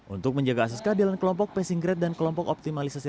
untuk menjaga asas keadilan kelompok passing grade dan kelompok optimalisasi